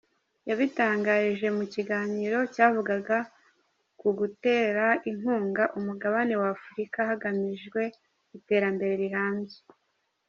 Yabitangarije mu kiganiro cyavugaga ku "Gutera inkunga Umugabane wa Afurika hagamijwe iterambere rirambye".